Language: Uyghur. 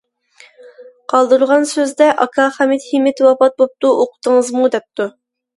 قالدۇرغان سۆزدە« ئاكا خەمىت ھىمىت ۋاپات بوپتۇ ئۇقتىڭىزمۇ» دەپتۇ.